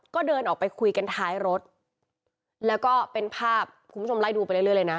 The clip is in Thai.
ก็เดินออกไปคุยกันท้ายรถแล้วก็เป็นภาพคุณผู้ชมไล่ดูไปเรื่อยเลยนะ